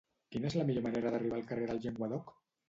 Quina és la millor manera d'arribar al carrer del Llenguadoc?